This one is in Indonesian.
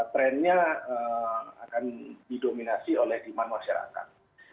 trendnya akan didominasi oleh dimanwasir akan